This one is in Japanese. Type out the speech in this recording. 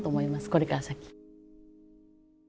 これから先。